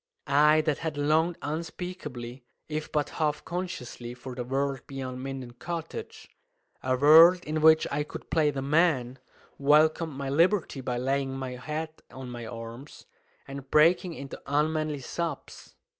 I that had longed unspeakably, if but half consciously, for the world beyond Minden Cottage a world in which I could play the man welcomed my liberty by laying my head on my arms and breaking into unmanly sobs.